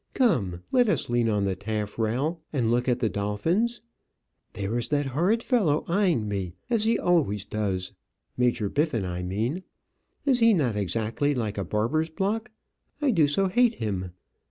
Come, let us lean on the taffrail, and look at the dolphins. There is that horrid fellow eyeing me, as he always does; Major Biffin, I mean. Is he not exactly like a barber's block? I do so hate him!"